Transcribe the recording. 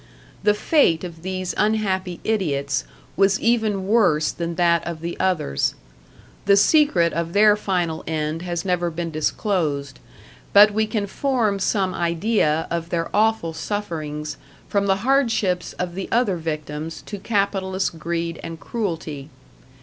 The fate of these unhappy idiots was even worse than that of the others. The secret of their final end has never been disclosed, but we can form some idea of their awful sufferings from the hardships of the other victims to capitalist greed and cruelty.